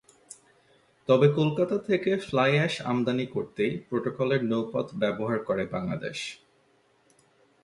তবে কলকাতা থেকে fly ash আমদানি করতেই প্রটোকলের নৌপথ ব্যবহার করে বাংলাদেশ।